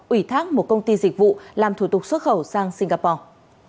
ủy thác một công ty dịch vụ làm thủ tục xuất khẩu sang singapore